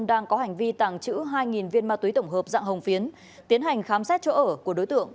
đang có hành vi tàng trữ hai viên ma túy tổng hợp dạng hồng phiến tiến hành khám xét chỗ ở của đối tượng